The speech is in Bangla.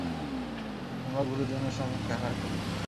আমরা গুরুজনদের সম্মুখে আহার করি না।